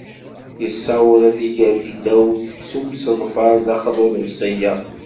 Yessaweḍ ad iger tilawt s umseḍfer daxel n uḍebsi-a.